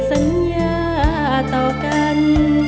สัญญาต่อกัน